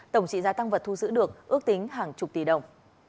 tổng trị giá tăng vật thu giữ được ước tính hàng chục tỷ đồng